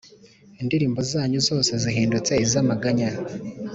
indirimbo zanyu zose nzihindure iz’amaganya.